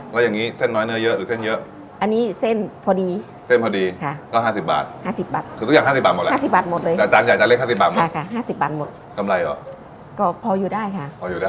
และยังไงเช่นไหนเนอดิเยอะอันนี้เส้นพอดี๗๐๕๐๕๐๕๐บาทจะได้ค่อยด้วยก็พออยู่ได้ค่ะ